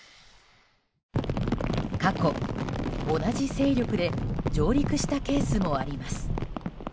過去、同じ勢力で上陸したケースもあります。